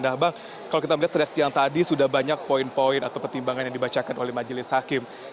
nah bang kalau kita melihat dari siang tadi sudah banyak poin poin atau pertimbangan yang dibacakan oleh majelis hakim